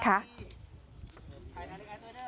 ถ่ายทางด้วยนะ